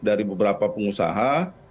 dari beberapa pengusaha